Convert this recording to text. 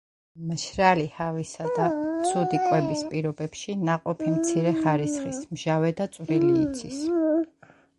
მშრალი ჰავისა და ცუდი კვების პირობებში ნაყოფი მცირე ხარისხის, მჟავე და წვრილი იცის.